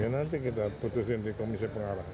nanti kita putusin di komisi pengarah